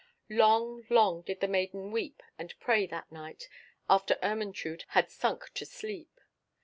Long, long did the maiden weep and pray that night after Ermentrude had sunk to sleep.